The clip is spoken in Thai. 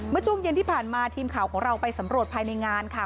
เมื่อทุกเวอร์เย็นที่ผ่านมาทีมข่าวของเราไปสำรวจภัยในงานค่ะ